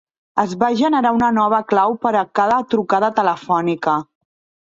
Es va generar una nova clau per a cada trucada telefònica.